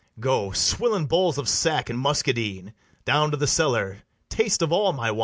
] Go, swill in bowls of sack and muscadine; Down to the cellar, taste of all my wines.